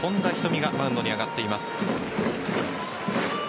海がマウンドに上がっています。